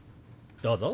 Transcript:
どうぞ。